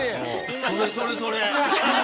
それそれそれ。